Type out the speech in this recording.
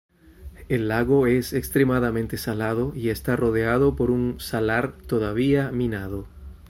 El lago es extremadamente salado y está rodeado por un salar todavía minado.